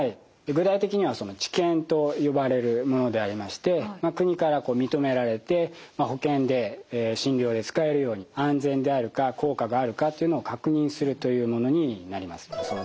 具体的には治験と呼ばれるものでありまして国から認められて保険で診療で使えるように安全であるか効果があるかっていうのを確認するというものになります。